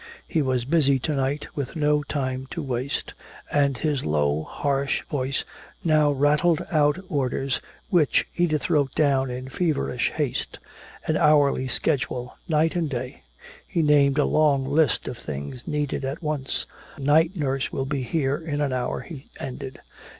He was busy to night, with no time to waste, and his low harsh voice now rattled out orders which Edith wrote down in feverish haste an hourly schedule, night and day. He named a long list of things needed at once. "Night nurse will be here in an hour," he ended.